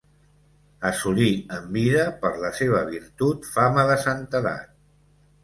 Assolí en vida, per la seva virtut, fama de santedat.